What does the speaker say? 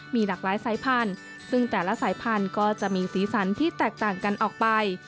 มีหลากหลายสายพันธุ์ซึ่งแต่ละสายพันธุ์ก็จะมีสีสันที่แตกต่างกันออกไป